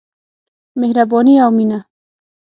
مهرباني او مينه.